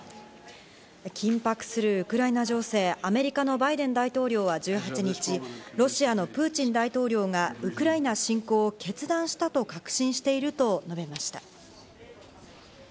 緊迫するウクライナ情勢、アメリカのバイデン大統領は１８日、ロシアのプーチン大統領がウクライナ侵攻を決断したと確信していると述べました。